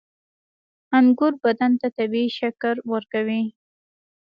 • انګور بدن ته طبیعي شکر ورکوي.